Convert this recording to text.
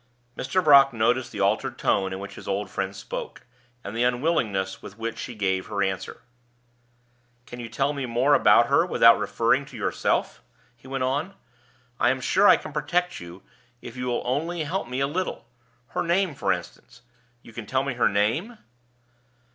Mr. Brock noticed the altered tone in which his old friend spoke, and the unwillingness with which she gave her answer. "Can you tell me more about her without referring to yourself?" he went on. "I am sure I can protect you, if you will only help me a little. Her name, for instance you can tell me her name?"